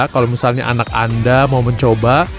kalau misalnya anak anda mau mencoba